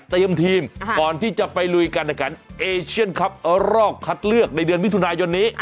ทีมก่อนที่จะไปลุยการแข่งขันเอเชียนคลับรอบคัดเลือกในเดือนมิถุนายนนี้